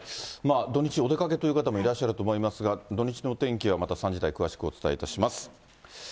土日、お出かけという方もいらっしゃると思いますが、土日のお天気はまた３時台、詳しくお伝えいたします。